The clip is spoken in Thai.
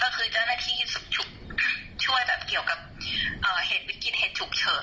ก็คือเจ้าหน้าที่ช่วยแบบเกี่ยวกับเหตุวิกฤตเหตุฉุกเฉิน